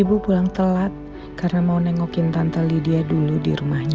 ibu pulang telat karena mau nengokin tantali dia dulu di rumahnya